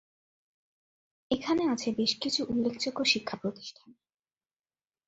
এখানে আছে বেশকিছু উল্লেখযোগ্য শিক্ষা প্রতিষ্ঠান।